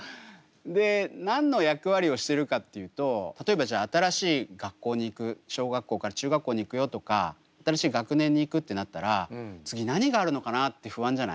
で何の役割をしてるかっていうと例えばじゃあ新しい学校に行く小学校から中学校に行くよとか新しい学年に行くってなったら次何があるのかなって不安じゃない？